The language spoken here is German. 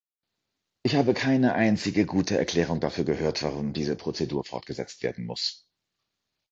Ich habe keine einzige gute Erklärung dafür gehört, warum diese Prozedur fortgesetzt werden muss.